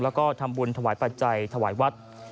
แล้วก็ทำบุญถวายปัจจัยถวายวัด